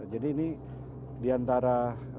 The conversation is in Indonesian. jadi ini diantara